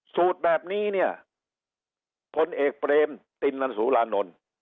สูตรแบบนี้เนี่ยพลเอกเปรมตินันสุรานนท์